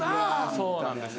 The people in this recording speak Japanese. そうなんですよ。